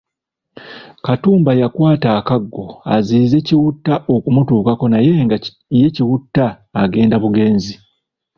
Katumba yakwata akaggo aziyize Kiwutta okumutuukako naye nga ye Kiwutta agenda bugenzi.